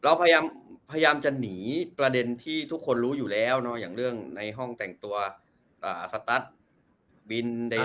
เราพยายามจะหนีประเด็นที่ทุกคนรู้อยู่แล้วอย่างเรื่องในห้องแต่งตัวสตัสบินใด